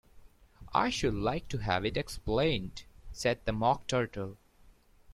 ‘I should like to have it explained,’ said the Mock Turtle.